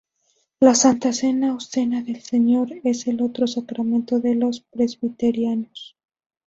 La Santa Cena o Cena del Señor es el otro sacramento de los presbiterianos.